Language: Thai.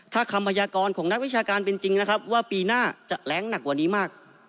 ถ้าคำพยากรของนักวิชาการเป็นจริงนะครับว่าปีหน้าจะแรงหนักกว่านี้มาก